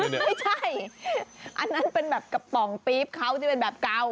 ไม่ใช่อันนั้นเป็นแบบกระป๋องปี๊บเขาที่เป็นแบบเก่า